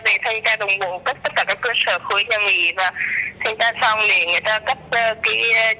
để xây ra bụng tức tất cả các cơ sở khối nhà nghỉ và xây duda xong để người ta cất cái